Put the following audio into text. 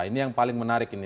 ini yang paling menarik ini